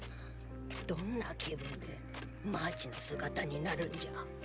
どんな気分でマーチの姿になるんじゃ？